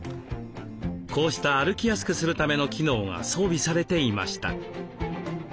こうした歩きやすくするための機能が装備されていました。